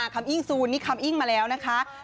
ไปดูเลยค่ะ